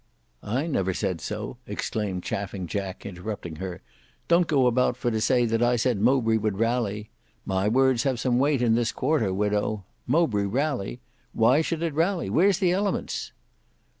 "I never said so," exclaimed Chaffing Jack interrupting her. "Don't go about for to say that I said Mowbray would rally. My words have some weight in this quarter widow; Mowbray rally! Why should it rally? Where's the elements?"